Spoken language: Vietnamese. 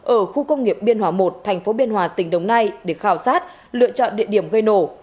ở khu công nghiệp biên hòa một thành phố biên hòa tỉnh đồng nai để khảo sát lựa chọn địa điểm gây nổ